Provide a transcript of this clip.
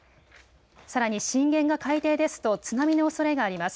さらに震源が海底ですと津波のおそれがあります。